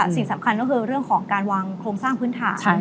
สิ่งสำคัญก็คือเรื่องของการวางโครงสร้างพื้นฐาน